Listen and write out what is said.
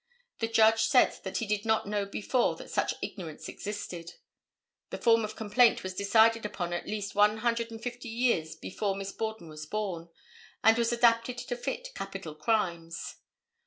The Judge said that he did not know before that such ignorance existed. The form of complaint was decided upon at least one hundred and fifty years before Miss Borden was born, and was adapted to fit capital crimes.